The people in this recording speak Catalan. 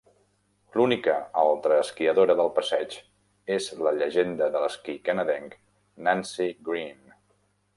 L'única altra esquiadora del passeig és la llegenda de l'esquí canadenc Nancy Greene.